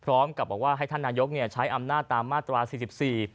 พร้อมกับบอกว่าให้ท่านนายกเนี่ยใช้อำนาจตามมาตราสี่สิบสี่